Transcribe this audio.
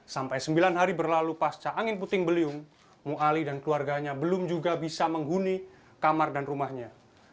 sampai sembilan hari berlalu pasca angin puting beliung muali ⁇ dan keluarganya belum juga bisa menghuni kamar dan rumahnya